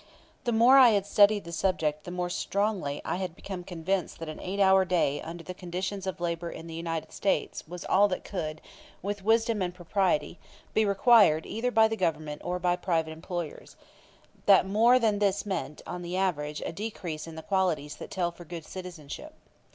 The more I had studied the subject the more strongly I had become convinced that an eight hour day under the conditions of labor in the United States was all that could, with wisdom and propriety, be required either by the Government or by private employers; that more than this meant, on the average, a decrease in the qualities that tell for good citizenship.